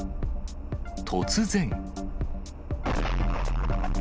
突然。